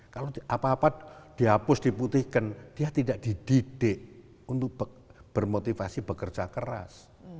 kalau apa apa dihapus diputihkan dia tidak dididik untuk bermotivasi bekerja keras